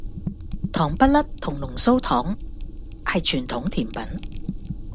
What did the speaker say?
糖不甩同龍鬚糖係傳統甜品